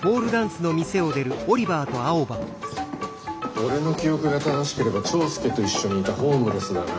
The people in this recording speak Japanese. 俺の記憶が正しければチョウスケと一緒にいたホームレスだな。